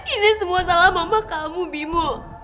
ini semua salah mama kamu bimo